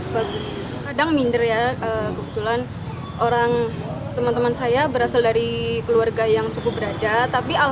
bagus kadang minder ya kebetulan orang teman teman saya berasal dari keluarga yang cukup berada